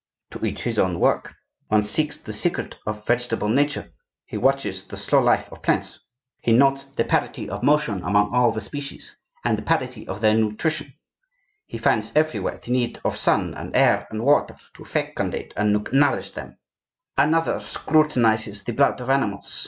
To each his own work. One seeks the secret of vegetable nature; he watches the slow life of plants; he notes the parity of motion among all the species, and the parity of their nutrition; he finds everywhere the need of sun and air and water, to fecundate and nourish them. Another scrutinizes the blood of animals.